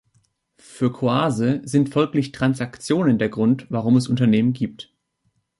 Für Coase sind folglich Transaktionskosten der Grund, warum es Unternehmen gibt.